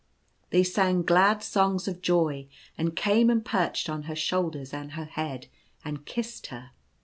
They sang glad songs of joy, and came and perched on her shoulders and her head, and kissed her.